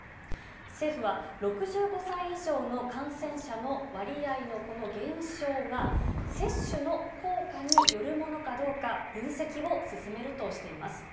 政府は、６５歳以上の感染者の割合のこの減少が、接種の効果によるものかどうか、分析を進めるとしています。